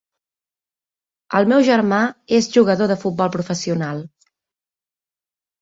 El meu germà és jugador de futbol professional.